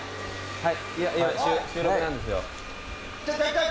はい。